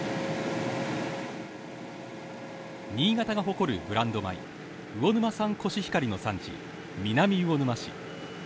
新潟が誇るブランド米、魚沼産コシヒカリの産地・南魚沼市。